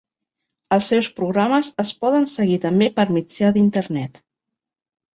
Els seus programes es poden seguir també per mitjà d'Internet.